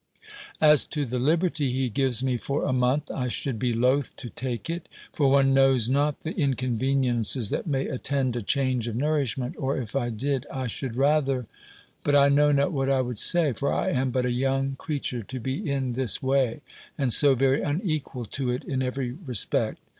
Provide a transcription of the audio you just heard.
As to the liberty he gives me for a month, I should be loath to take it; for one knows not the inconveniences that may attend a change of nourishment; or if I did, I should rather But I know not what I would say; for I am but a young creature to be in this way, and so very unequal to it in every respect!